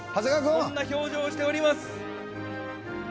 そんな表情をしております。